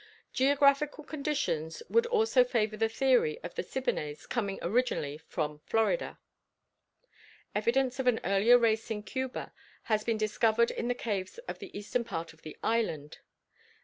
Geographical conditions would also favor the theory of the Siboneyes coming originally from Florida. Evidence of an earlier race in Cuba has been discovered in the caves of the eastern part of the island.